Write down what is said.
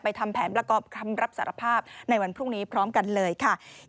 ทำแผนประกอบคำรับสารภาพในวันพรุ่งนี้พร้อมกันเลยค่ะ